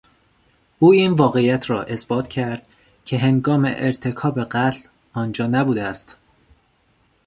او این واقعیت را اثبات کرد که هنگام ارتکاب قتل آنجا نبوده است.